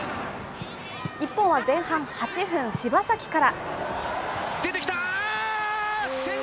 日本は前半８分、柴崎から。